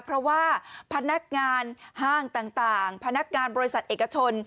เพราะว่าพนักงานห้างต่างพนักงานบริษัทเอกชน